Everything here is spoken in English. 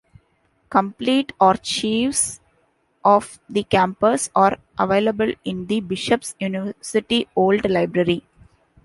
Complete archives of "The Campus" are available in the Bishop's University Old Library.